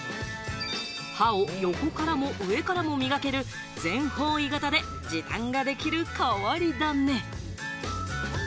歯を横からも上からも磨ける全方位型で、時短ができる変わり種。